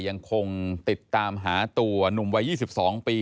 ยังคงติดตามหาตัวหนุ่มวัย๒๒ปี